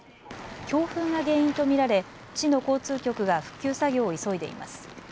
強風が原因と見られ市の交通局が復旧作業を急いでいます。